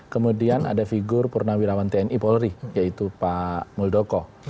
kemudian ada figur purnawirawan tni polri yaitu pak muldoko